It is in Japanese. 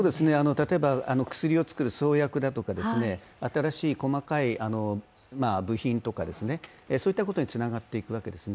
例えば、薬を作る創薬だとか、新しい細かい部品とか、そういったことに、つながっていくわけですね。